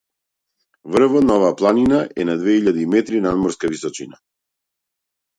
Врвот на оваа планина е на две илјади метри надморска височина.